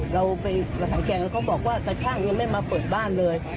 เราไปมาสังเกตแล้วเขาบอกว่าตาช่างยังไม่มาเปิดบ้านเลย